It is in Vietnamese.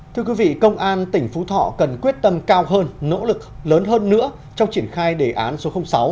thưa quý vị công an tỉnh phú thọ cần quyết tâm cao hơn nỗ lực lớn hơn nữa trong triển khai đề án số sáu